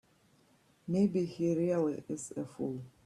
Maybe he really is a fool.